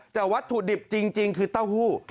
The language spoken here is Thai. แต่วัตถุดิบจริงคือเต้าหู้